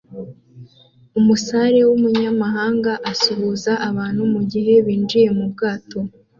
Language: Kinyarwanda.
Umusare wumunyamahanga asuhuza abantu mugihe binjiye mubwato